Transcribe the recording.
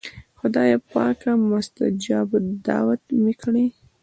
خدایه پاکه مستجاب الدعوات مې کړې.